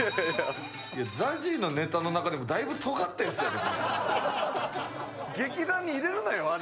ＺＡＺＹのネタの中でもだいぶとがったやつやで。